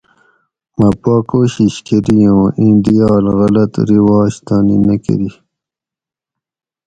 مہ پا کوشش کری اُوں ایں دیال غلط رواج تانی نہ کری